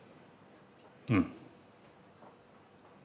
うん。